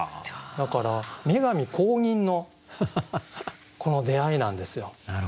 だから女神公認のこの出会いなんですよ。